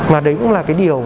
mà đấy cũng là cái điều